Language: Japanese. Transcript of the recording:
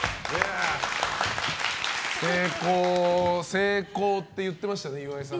成功と言ってましたね岩井さんね。